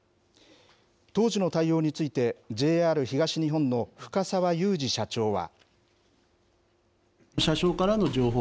当時の対応について、ＪＲ東日本の深澤祐二社長は。